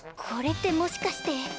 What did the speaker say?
これってもしかして。